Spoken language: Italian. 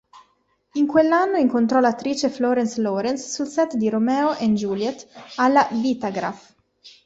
In quell'anno, incontrò l'attrice Florence Lawrence sul set di "Romeo and Juliet" alla Vitagraph.